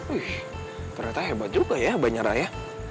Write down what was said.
wih ternyata hebat juga ya abah nyeraya